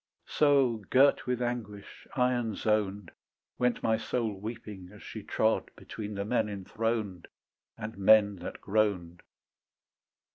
So girt with anguish, iron zoned, Went my soul weeping as she trod Between the men enthroned And men that groaned.